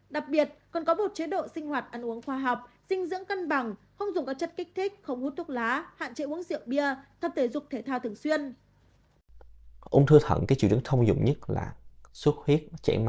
đặc biệt còn có một chế độ sinh hoạt ăn uống khoa học dinh dưỡng cân bằng không dùng các chất kích thích không hút thuốc lá hạn chế uống rượu bia tập thể dục thể thao thường xuyên